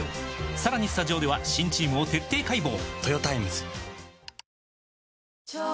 さらにスタジオでは新チームを徹底解剖！